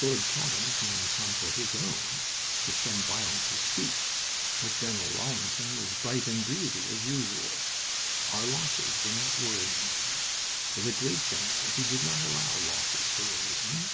Lord Cavan claimed some for his own, with some violence of speech. But General Rawlinson was bright and breezy as usual. Our losses were not worrying him. As a great general he did not allow losses to worry him.